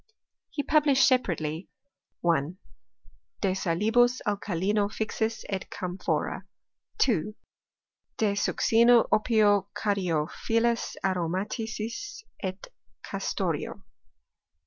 He published separately, 1. De salibus alkalino fixis et camphora. 2. De succino, opio, caryophyllis aromaticis et castoreo.